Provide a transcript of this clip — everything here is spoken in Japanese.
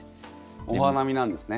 お花見なんですね。